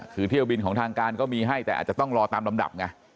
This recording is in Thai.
คือเที่ยวบินของทางการก็มีให้แต่อาจจะต้องรอตามลำดับไง